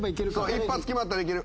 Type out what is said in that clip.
一発決まったらいける。